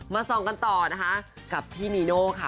ส่องกันต่อนะคะกับพี่นีโน่ค่ะ